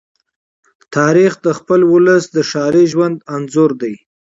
تاریخ د خپل ولس د ښاري ژوند انځور دی.